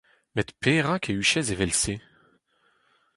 Met perak e huchez evel-se ?